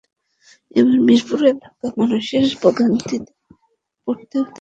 এবারও মিরপুর এলাকার মানুষদের ভোগান্তিতে পড়তে হতে পারে বলে প্রকল্প কর্মকর্তারা জানিয়েছেন।